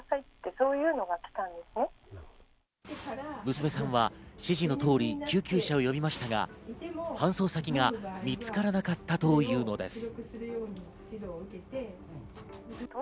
娘さんは指示の通り救急車を呼びましたが、搬送先が見つからなかったというのです。